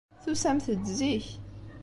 Tusamt-d zik.